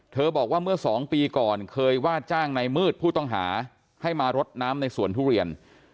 บอกว่าเมื่อ๒ปีก่อนเคยว่าจ้างในมืดผู้ต้องหาให้มารดน้ำในสวนทุเรียน